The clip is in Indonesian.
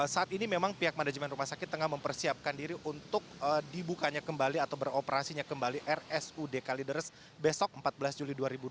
saat ini memang pihak manajemen rumah sakit tengah mempersiapkan diri untuk dibukanya kembali atau beroperasinya kembali rsud kalideres besok empat belas juli dua ribu dua puluh